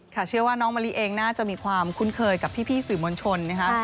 เชื่อว่าน้องมะลิเองน่าจะมีความคุ้นเคยกับพี่สื่อมวลชนนะคะ